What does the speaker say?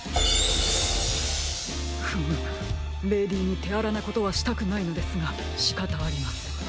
フムムレディーにてあらなことはしたくないのですがしかたありません。